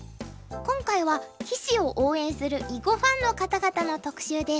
今回は棋士を応援する囲碁ファンの方々の特集です。